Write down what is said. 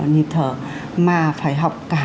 nhịp thở mà phải học cả